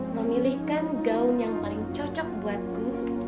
memilihkan gaun yang paling cocok buatku